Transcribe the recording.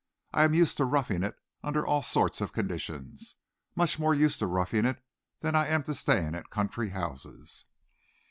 I am used to roughing it under all sorts of conditions much more used to roughing it than I am to staying at country houses."